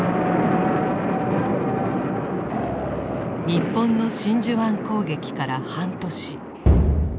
日本の真珠湾攻撃から半年。